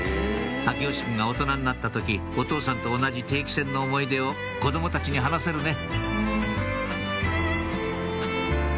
耀義くんが大人になった時お父さんと同じ定期船の思い出を子供たちに話せるね